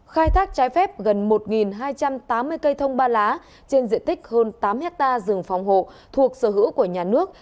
khai thác trái phép gần một hai trăm tám mươi cây thông ba lá trên diện tích hơn tám hectare rừng phòng hộ thuộc sở hữu của nhà nước